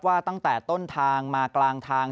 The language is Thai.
ว่าตั้งแต่ต้นทางมากลางทาง